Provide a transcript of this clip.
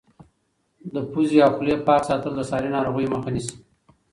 د پوزې او خولې پاک ساتل د ساري ناروغیو مخه نیسي.